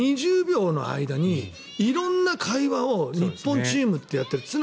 ２０秒の間に色んな会話を日本チームってやってる。